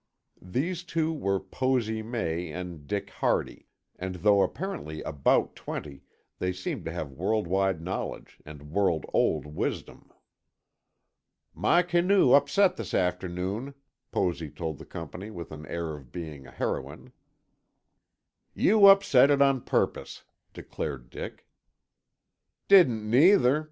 These two were Posy May and Dick Hardy, and though apparently about twenty they seemed to have world wide knowledge and world old wisdom. "My canoe upset this afternoon," Posy told the company with an air of being a heroine. "You upset it on purpose," declared Dick. "Didn't, either.